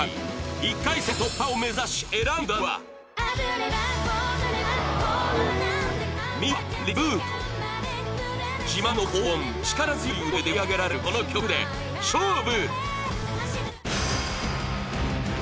１回戦突破を目指し選んだのは自慢の高音力強い歌声で歌い上げられるこの曲で勝負！